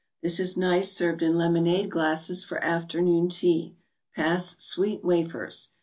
This is nice served in lemonade glasses for afternoon tea. Pass sweet wafers.